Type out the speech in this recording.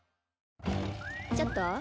ちょっと。